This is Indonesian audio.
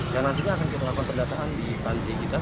dan nanti akan kita lakukan pendataan di panti kita